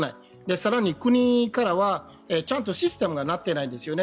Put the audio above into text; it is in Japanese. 更に国からはちゃんとシステムがなっていないんですよね。